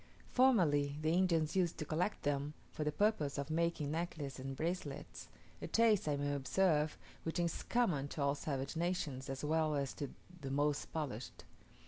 Formerly the Indians used to collect them, for the purpose of making necklaces and bracelets a taste, I may observe, which is common to all savage nations, as well as to the most polished.